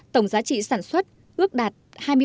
tổng giá trị sản xuất ước đạt hai mươi ba